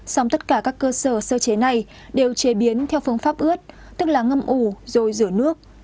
song tất cả các cơ sở sơ chế này đều chế biến theo phương pháp ướt tức là ngâm ủ rồi rửa nước